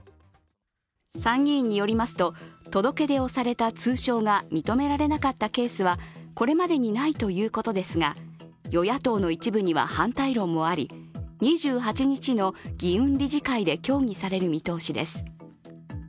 参議院によりますと、届け出をされた通称が認められなかったケースはこれまでにないということですが、与野党の一部には反対論もあり、２８日の議運理事会で協議される見通しです。